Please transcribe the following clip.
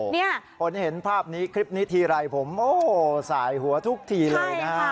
คนเห็นภาพนี้คลิปนี้ทีไรผมโอ้สายหัวทุกทีเลยนะฮะ